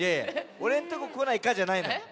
「俺んとここないか？」じゃないのよ。